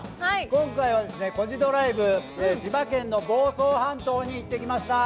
今回は「コジドライブ」、千葉県の房総半島に行ってきました。